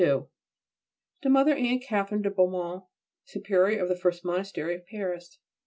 LXII. _To Mother Anne Catherine de Beaumont, Superior of the First Monastery of Paris.